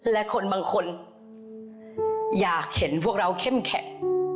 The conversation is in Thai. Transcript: และคนบางคนอยากเห็นพวกเราเข้มแข็ง